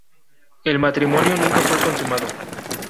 El matrimonio nunca fue consumado.